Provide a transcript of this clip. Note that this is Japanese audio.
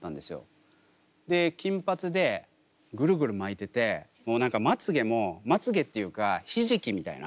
で金髪でぐるぐる巻いててもう何かまつげもまつげっていうかひじきみたいな。